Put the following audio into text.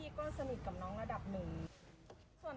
ก็สนิทกับน้องระดับหนึ่ง